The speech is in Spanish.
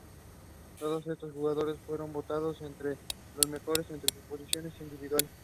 Todos estos jugadores fueron votados entre los mejores en sus posiciones individuales.